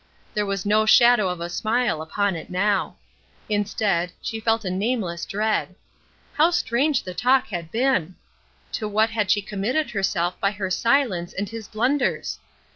There was no shadow of a smile upon it now. Instead, she felt a nameless dread. How strange the talk had been! To what had she committed herself by her silence and his blunders?